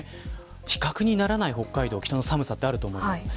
比較にならない、北海道寒さがあると思います。